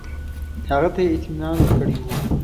هغه ته یې اطمینان ورکړی وو.